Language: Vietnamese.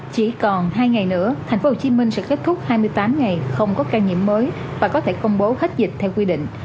chỉ còn hai ngày nữa tp hcm sẽ kết thúc hai mươi tám ngày không có ca nhiễm mới và có thể công bố hết dịch theo quy định